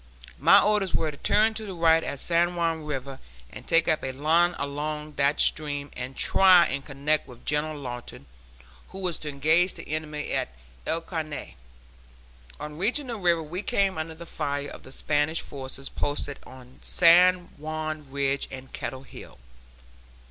My orders were to turn to the right at San Juan River and take up a line along that stream and try and connect with General Lawton, who was to engage the enemy at El Caney. On reaching the river we came under the fire of the Spanish forces posted on San Juan Ridge and Kettle Hill.